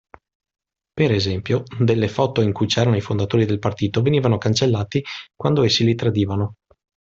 Per esempio, delle foto in cui c'erano i fondatori del partito venivano cancellati quando essi li tradivano.